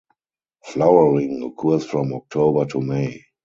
Flowering occurs from October to May.